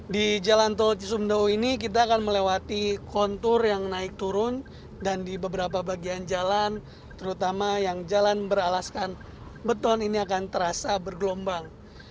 di jalan tol cisumdawu ini kita akan melewati kontur yang naik turun dan di beberapa bagian jalan terutama yang jalan beralaskan beton ini akan terasa bergelombang